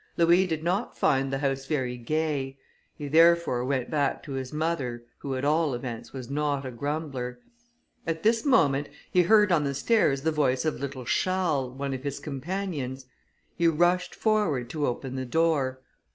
Louis did not find the house very gay; he therefore went back to his mother, who, at all events, was not a grumbler. At this moment he heard on the stairs the voice of little Charles, one of his companions. He rushed forward to open the door.